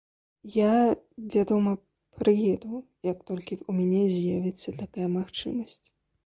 Я, вядома, прыеду, як толькі ў мяне з'явіцца такая магчымасць.